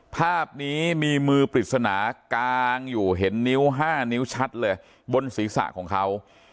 ภาพนี้มีมือปริศนากางอยู่เห็นนิ้ว๕นิ้วชัดเลยบนศีรษะของเขา